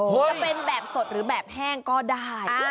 จะเป็นแบบสดหรือแบบแห้งก็ได้